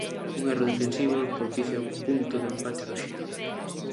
Un erro defensivo propicia o punto do empate do Xirona.